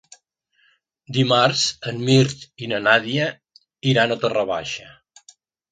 Dimarts en Mirt i na Nàdia iran a Torre Baixa.